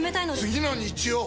次の日曜！